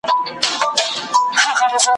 زما د حُسن له بغداده رنګین سوي دي نکلونه ,